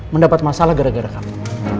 mendapat masalah gara gara kamu